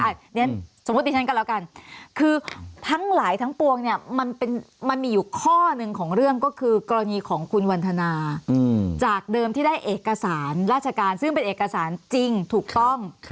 อันนี้สมมุติดิฉันก็แล้วกันคือทั้งหลายทั้งปวงเนี่ยมันมีอยู่ข้อหนึ่งของเรื่องก็คือกรณีของคุณวันทนาจากเดิมที่ได้เอกสารราชการซึ่งเป็นเอกสารจริงถูกต้อง